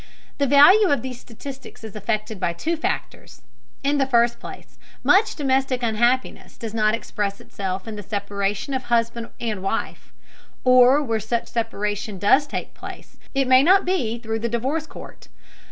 The value of these statistics is affected by two factors. In the first place, much domestic unhappiness does not express itself in the separation of husband and wife. Or, where such separation does take place, it may not be through the divorce court.